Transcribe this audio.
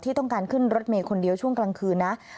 ต้องการขึ้นรถเมย์คนเดียวช่วงกลางคืนนะ